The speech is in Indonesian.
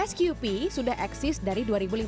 sqp sudah eksis dari dua ribu lima belas